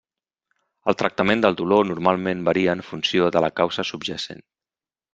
El tractament del dolor normalment varia en funció de la causa subjacent.